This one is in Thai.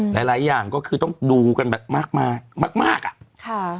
หลายหลายอย่างก็คือต้องดูกันแบบมากมากอ่ะค่ะ